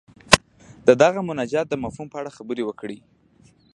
د دغه مناجات د مفهوم په اړه خبرې وکړي.